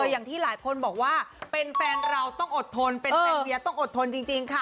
อย่างที่หลายคนบอกว่าเป็นแฟนเราต้องอดทนเป็นแฟนเวียต้องอดทนจริงค่ะ